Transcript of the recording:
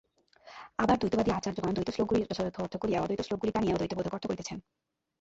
আবার দ্বৈতবাদী আচার্যগণ দ্বৈত শ্লোকগুলির যথাযথ অর্থ করিয়া অদ্বৈত শ্লোকগুলি টানিয়া দ্বৈতবোধক অর্থ করিতেছেন।